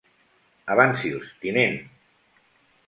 Avanci'ls, tinent.